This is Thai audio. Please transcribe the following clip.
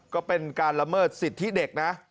ก็เป็นการละเมิดสิทธิเด็กนะ